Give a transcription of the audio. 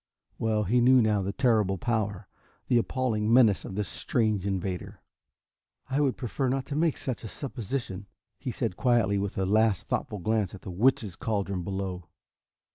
Well he knew now the terrible power, the appalling menace of this strange invader. "I would prefer not to make such a supposition," he said, quietly, with a last thoughtful glance at that witches' caldron below.